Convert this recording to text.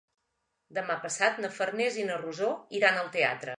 Demà passat na Farners i na Rosó iran al teatre.